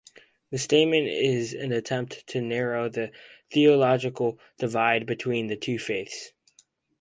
The statement is an attempt to narrow the theological divide between the two faiths.